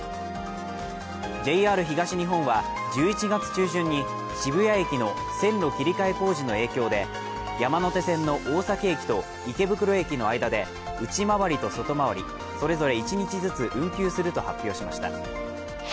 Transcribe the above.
ＪＲ東日本は１１月中旬に渋谷駅の線路切り替え工事の影響で山手線の大崎駅と池袋駅の間で内回りと外回りそれぞれ１日ずつ運休すると発表しました。